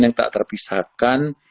yang tak terpisahkan